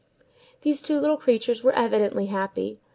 These two little creatures were evidently happy.